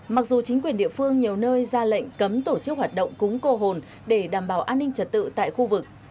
mặc dù chính quyền địa phương nhiều nơi ra lệnh cấm tổ chức hoạt động cúng cô hồn để đảm bảo an ninh trật tự tại khu vực